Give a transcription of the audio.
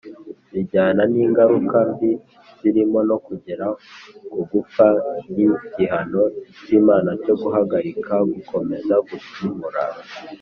Bijyana n'ingaruka mbi zirimo no kugera ku gupfa nk'igihano cy'Imana cyo guhagarika gukomeza gucumura.